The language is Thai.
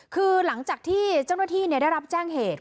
คือหลังจากที่เจ้าหน้าที่ได้รับแจ้งเหตุ